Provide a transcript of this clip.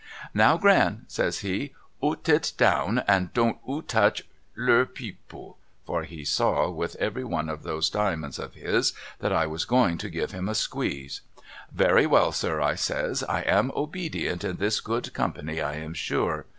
' Now Gran ' says he, ' oo tit down and don't oo touch ler poople '— for he saw with every one of those diamonds of his that I was going to give him a squeeze. 'Very well sir' I says ' I am obedient in this good company I am sure.'